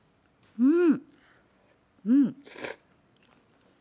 うん。